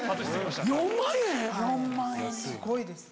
えっ⁉すごいです。